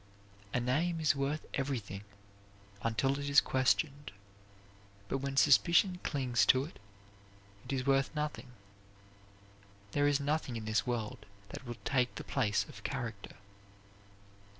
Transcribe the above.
A name is worth everything until it is questioned; but when suspicion clings to it, it is worth nothing. There is nothing in this world that will take the place of character.